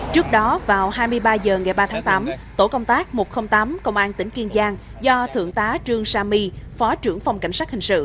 trước đó vào hai mươi ba h ngày ba tháng tám tổ công tác một trăm linh tám công an tỉnh kiên giang do thượng tá trương sa my phó trưởng phòng cảnh sát hình sự